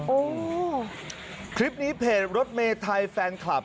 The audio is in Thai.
โอ้โหคลิปนี้เพจรถเมไทยแฟนคลับ